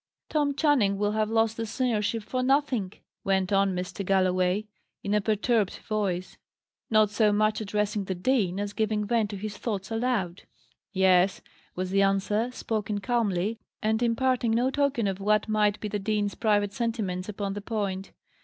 "Tom Channing will have lost the seniorship for nothing!" went on Mr. Galloway, in a perturbed voice, not so much addressing the dean, as giving vent to his thoughts aloud. "Yes," was the answer, spoken calmly, and imparting no token of what might be the dean's private sentiments upon the point.